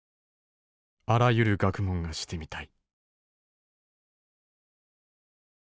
あらゆる学問がしてみたい」。